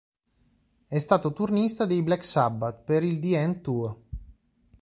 È stato turnista dei Black Sabbath per il The End Tour.